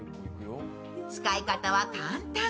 使い方は簡単。